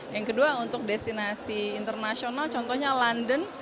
yang kedua untuk destinasi internasional contohnya london